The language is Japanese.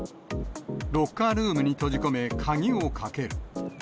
ロッカールームに閉じ込め鍵をかける。